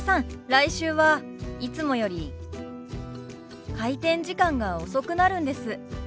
来週はいつもより開店時間が遅くなるんです。